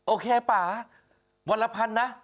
โอเคป่าวันละ๑๐๐๐นะ